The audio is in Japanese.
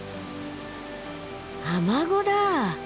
アマゴだ。